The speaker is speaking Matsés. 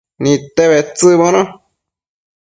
Nidte bedtsëcbono